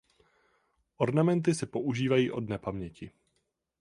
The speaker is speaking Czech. Ornamenty se používají od nepaměti.